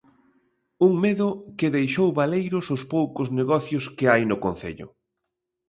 Un medo que deixou baleiros os poucos negocios que hai no concello.